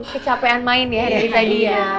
kecapean main ya dari tadi ya